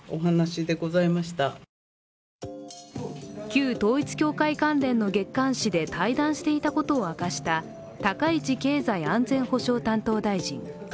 旧統一教会関連の月刊誌で対談していたことを明かした高市経済安全保障担当大臣。